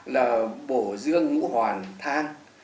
là bổ dương ngũ hoàn thang